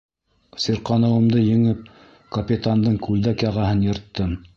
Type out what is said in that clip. Сирҡаныуымды еңеп, капитандың күлдәк яғаһын йырттым.